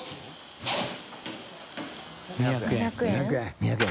２００円？